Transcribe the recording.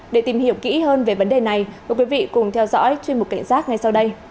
để tìm hiểu kỹ hơn về vấn đề này mời quý vị cùng theo dõi chuyên mục cảnh giác ngay sau đây